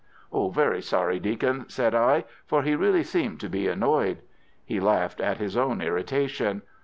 "Very sorry, Deacon," said I, for he really seemed to be annoyed. He laughed at his own irritation.